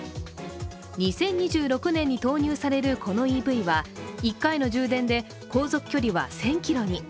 ２０２６年に投入されるこのＥＶは１回の充電で航続距離は１０００ｋｍに。